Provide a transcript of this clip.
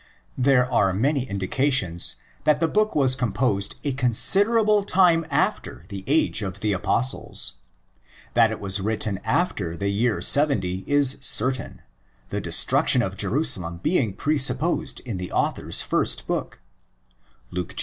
There are many indications that the, book was composed a considerable time after the age of the Apostles. That it was written after the year 70 is certain; the destruction of Jerusalem being pre supposed in the author's first book (Luke xxi.